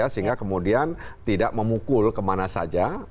sehingga kemudian tidak memukul kemana saja